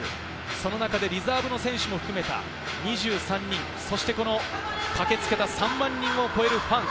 その中でリザーブの選手も含めた２３人、そして駆けつけた３万人を超えるファン。